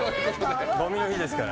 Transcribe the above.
ゴミの日ですから。